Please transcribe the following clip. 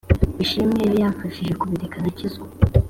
Ishimwe yo yamfashije kubireka nkakizwa